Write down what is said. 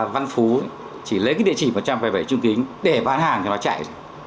văn phú chỉ lấy cái địa chỉ một trăm bảy mươi bảy trung kính để bán hàng thì nó chạy